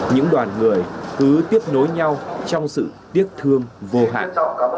những đoàn người cứ tiếp nối nhau trong sự tiếc thương vô hạn